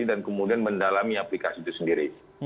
dan kemudian mendalami aplikasi itu sendiri